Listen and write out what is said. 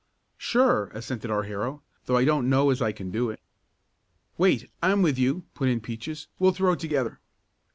"Sure," assented our hero, "though I don't know as I can do it." "Wait, I'm with you," put in Peaches. "We'll throw together."